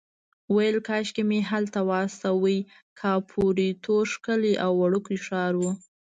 ویل کاشکې مې هلته واستوي، کاپوریتو ښکلی او وړوکی ښار و.